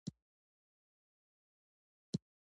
ښارونه د ځمکې د جوړښت یوه نښه ده.